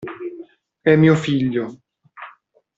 È mio figlio!